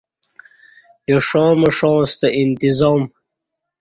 ایݜاں مݜاں ستہ انتظام